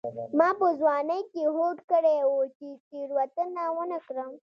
ما په ځوانۍ کې هوډ کړی و چې تېروتنه ونه کړم.